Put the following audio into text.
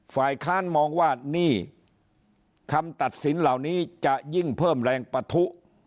ฝ่ายค้านมองว่านี่คำตัดสินเหล่านี้จะยิ่งเพิ่มแรงปะทุ